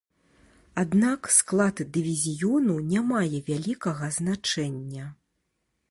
Аднак склад дывізіёну не мае вялікага значэння.